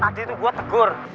tadi tuh gua tegur